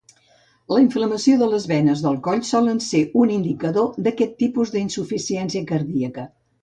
La inflamació de les venes del coll solen ser un indicador d'aquest tipus d'insuficiència cardíaca.